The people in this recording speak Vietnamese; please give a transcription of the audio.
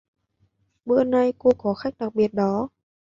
Bữa nay cô có khách đặc biệt đó